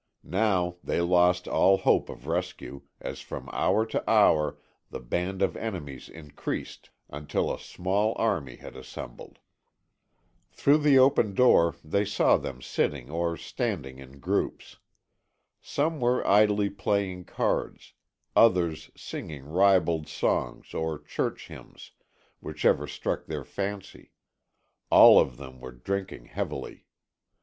Now they lost all hope of rescue as from hour to hour the band of enemies increased until a small army had assembled. Through the open door they saw them sitting or standing in groups. Some were idly playing cards; others singing ribald songs or church hymns, whichever struck their fancy; all of them were drinking heavily.